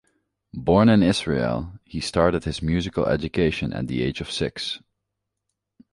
Born in Israel, he started his musical education at the age of six.